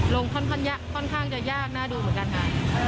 ค่อนข้างจะยากน่าดูเหมือนกันค่ะ